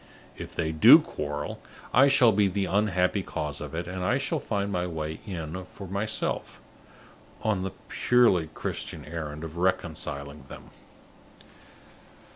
If they do quarrel, I shall be the unhappy cause of it, and I shall find my way in for myself, on the purely Christian errand of reconciling them."